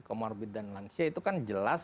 comorbid dan lansia itu kan jelas